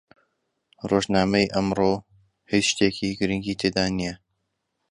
ڕۆژنامەی ئەمڕۆ هیچ شتێکی گرنگی تێدا نییە.